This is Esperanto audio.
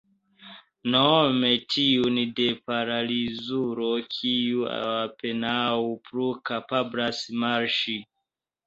Nome tiun de paralizulo, kiu apenaŭ plu kapablas marŝi.